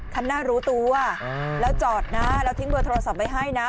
คันหน้ารู้ตัวแล้วจอดนะแล้วทิ้งเบอร์โทรศัพท์ไว้ให้นะ